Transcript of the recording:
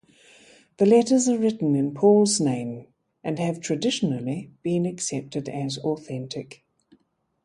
The letters are written in Paul's name and have traditionally been accepted as authentic.